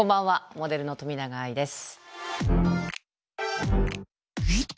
モデルの冨永愛です。